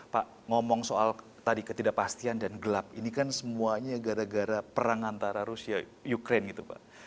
pak ngomong soal tadi ketidakpastian dan gelap ini kan semuanya gara gara perang antara rusia ukraine gitu pak